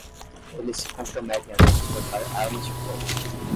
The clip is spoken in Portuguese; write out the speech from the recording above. Eles se comprometem a transportar armas de fogo.